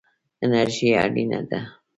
انرژي اړینه ده.